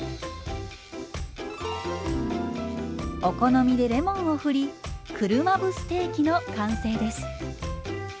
お好みでレモンをふり車麩ステーキの完成です。